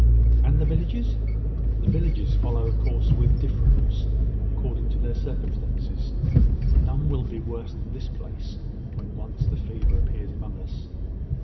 "And in the villages?" "The villages follow, of course, with differences according to their circumstances. None will be worse than this place, when once the fever appears among us.